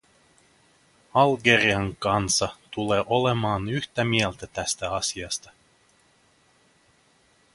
Algerian kansa tulee olemaan yhtä mieltä tästä asiasta.